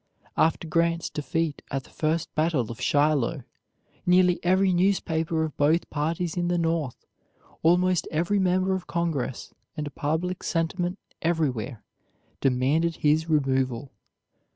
After Grant's defeat at the first battle of Shiloh, nearly every newspaper of both parties in the North, almost every member of Congress, and public sentiment everywhere demanded his removal.